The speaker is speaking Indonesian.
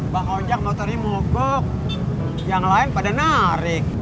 pak hojak motori mogok yang lain pada narik